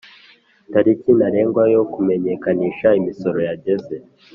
tariki ntarengwa yo kumenyekanisha imisoro yageze